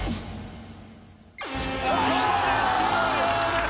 ここで終了です。